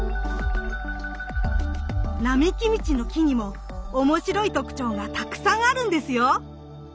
並木道の木にも面白い特徴がたくさんあるんですよ！